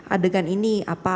adegan ini apa